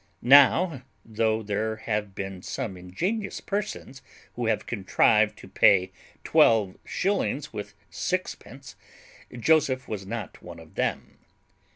Now, though there have been some ingenious persons who have contrived to pay twelve shillings with sixpence, Joseph was not one of them.